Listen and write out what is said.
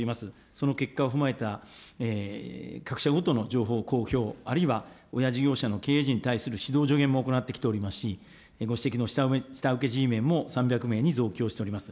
その結果を踏まえた各社ごとの情報公表、あるいは親事業者の経営陣に対する指導助言も行ってきておりますし、ご指摘の下請けＧメンも３００名に増強しております。